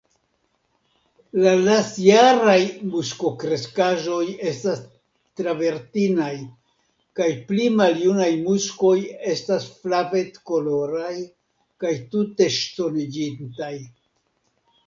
La lastjaraj muskokreskaĵoj estas travertinaj, kaj pli maljunaj muskoj estas flavetkoloraj kaj tute ŝtoniĝintaj.